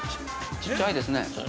ちっちゃいですね。